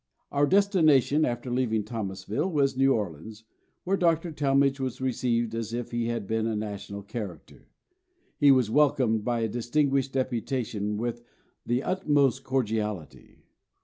Our destination after leaving Thomasville was New Orleans, where Dr. Talmage was received as if he had been a national character. He was welcomed by a distinguished deputation with the utmost cordiality.